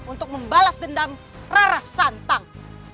untuk membalas dendam rara santang